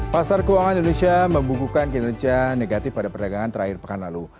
pasar keuangan indonesia membukukan kinerja negatif pada perdagangan terakhir pekan lalu